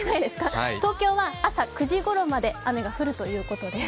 東京は朝９時ごろまで雨が降るということです。